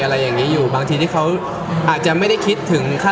อะไรอย่างนี้อยู่